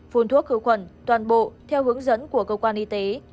phun thuốc khử khuẩn toàn bộ theo hướng dẫn của cơ quan y tế